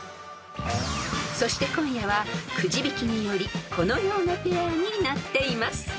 ［そして今夜はくじ引きによりこのようなペアになっています］